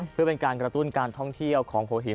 เพื่อเป็นการกระตุ้นการท่องเที่ยวของหัวหิน